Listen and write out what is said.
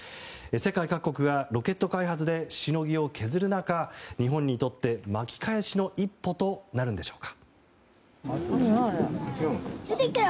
世界各国がロケット開発でしのぎを削る中日本にとって巻き返しの一歩となるんでしょうか。